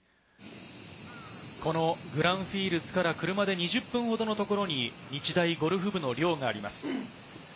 グランフィールズから車で２０分ほどのところに日大ゴルフ部の寮があります。